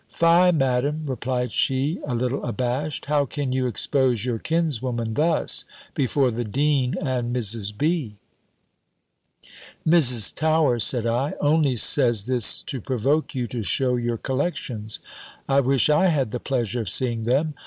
"Fie, Madam," replied she, a little abashed, "how can you expose your kinswoman thus, before the dean and Mrs. B.?" "Mrs. Towers," said I, "only says this to provoke you to shew your collections. I wish I had the pleasure of seeing them.